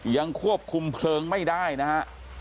ยังควบคุมเพลิงไม่ได้นะฮะ